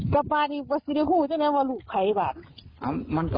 ก็ปลาดีประสิทธิภูมิจะแนนว่าลูกใครบ้าง